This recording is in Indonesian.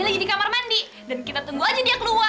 kalau dia gak keluar juga kita dobrak pintunya